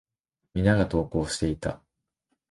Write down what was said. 皆が登校していた。